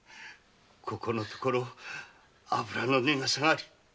このところ油の値が下がり